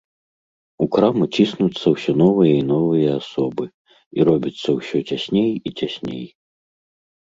У краму ціснуцца ўсё новыя і новыя асобы, і робіцца ўсё цясней і цясней.